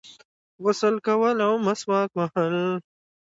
غسل کول او مسواک وهل